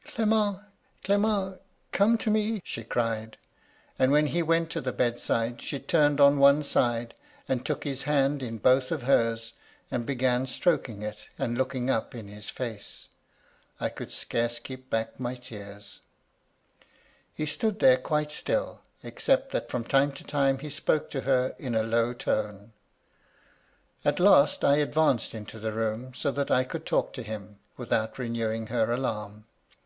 "' Clement ! Clement ! come to me !' she cried ; and when he went to the bedside she turned on one side, and took his hand in both of hers, and began stroking it, and looking up in his face. I could scarce keep back my tears. F 3 106 MY LADY LUDLOW. ^^ He stood there quite still, except that from time to time he spoke to her in a low tone. At last I advanced into the room, so that I could talk to him, without renewing her alarm.